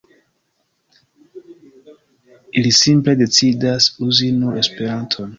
Ili simple decidas uzi nur Esperanton.